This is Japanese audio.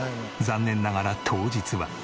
残念ながら当日は。